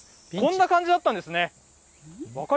こんな感じだったんですね。